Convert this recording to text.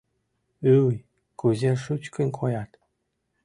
— Уй, кузе шучкын коят...